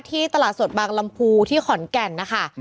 ตลาดสดบางลำพูที่ขอนแก่นนะคะ